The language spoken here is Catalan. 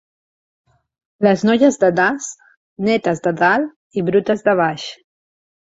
Les noies de Das, netes de dalt i brutes de baix.